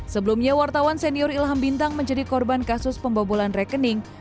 sebelumnya wartawan senior ilham bintang menjadi korban kasus pembobolan rekening